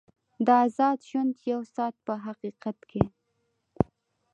د ازاد ژوند یو ساعت په حقیقت کې.